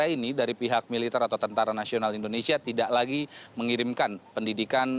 ini dari pihak militer atau tentara nasional indonesia tidak lagi mengirimkan pendidikan